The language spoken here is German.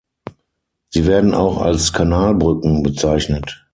Sie werden auch als Kanalbrücken bezeichnet.